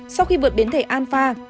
sau khi vượt biến thể alpha